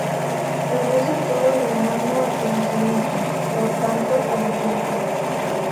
Reduce todo lo humano al conocimiento; por tanto, a la ciencia.